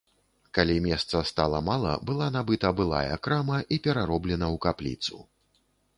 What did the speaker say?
Калі месца стала мала, была набыта былая крама і перароблена ў капліцу.